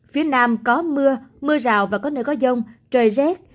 phía nam có mưa mưa rào và có nơi có rông trời rét